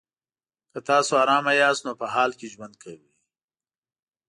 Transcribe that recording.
که تاسو ارامه یاست نو په حال کې ژوند کوئ.